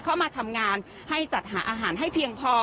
เข้ามาทำงานให้จัดหาอาหารให้เพียงพอ